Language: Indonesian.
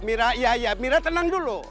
mira ya mira tenang dulu